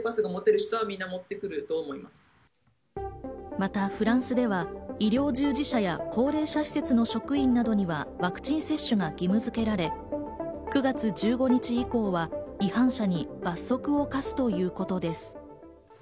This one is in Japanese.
またフランスでは、医療従事者や高齢者施設の職員などにはワクチン接種が義務づけられ、９月１５日以降は違反者に罰則を科すということです。